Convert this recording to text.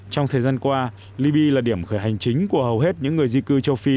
trong thời gian qua liby là điểm khởi hành chính của hầu hết những người di cư châu phi